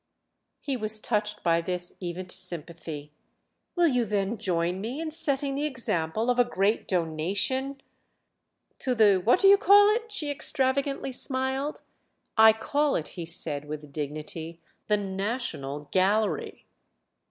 He was touched by this even to sympathy. "Will you then join me in setting the example of a great donation———?" "To the What do you call it?" she extravagantly smiled. "I call it," he said with dignity, "the 'National Gallery.